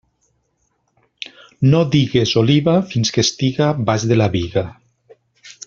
No digues oliva fins que estiga baix de la biga.